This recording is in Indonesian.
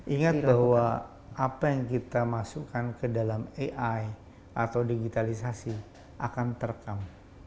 ingat bahwa apa yang kita masukkan ke dalam ai atau digitalisasi akan terekam